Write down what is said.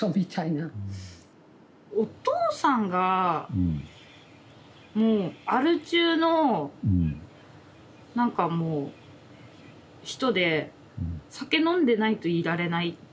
お父さんがもうアル中の何かもう人で酒飲んでないといられない。